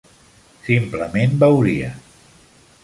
Simplement veuria.